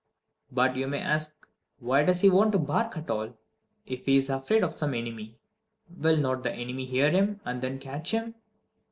But, you may ask, why does he want to bark at all, if he is afraid of some enemy? Will not the enemy hear him, and then catch him?